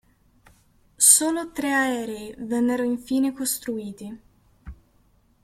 Solo tre aerei vennero infine costruiti.